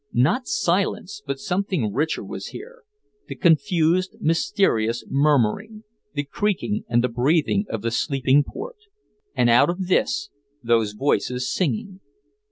Not silence but something richer was here the confused mysterious murmuring, the creaking and the breathing of the sleeping port. And out of this those voices singing.